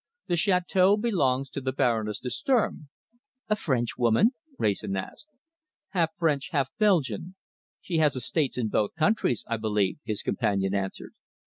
"The château belongs to the Baroness de Sturm." "A Frenchwoman?" Wrayson asked. "Half French, half Belgian. She has estates in both countries, I believe," his companion answered.